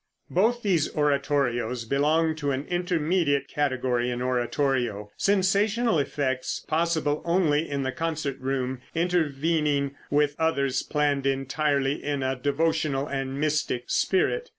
Both these oratorios belong to an intermediate category in oratorio, sensational effects possible only in the concert room intervening with others planned entirely in a devotional and mystic spirit.